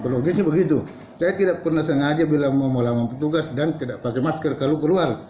kalau gini begitu saya tidak pernah sengaja bilang mau lama petugas dan tidak pakai masker kalau keluar